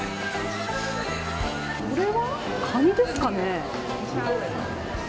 これは、カニですかね。